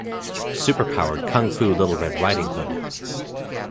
Super Powered Kung Fu Little Red Ridding Hood!